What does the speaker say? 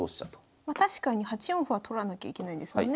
確かに８四歩は取らなきゃいけないですもんね